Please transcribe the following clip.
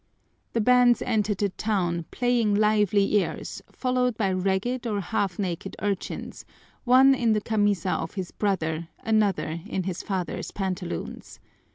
The bands enter the town playing lively airs, followed by ragged or half naked urchins, one in the camisa of his brother, another in his father's pantaloons.